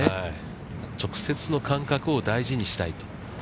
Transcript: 直接の感覚を大事にしたいと。